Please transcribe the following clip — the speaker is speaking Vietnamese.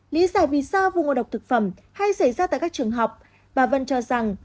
lý giải vì sao vụ ngộ độc thực phẩm hay xảy ra tại các trường học bà vân cho rằng